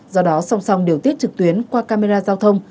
do đó song song điều tiết trực tuyến qua camera giao thông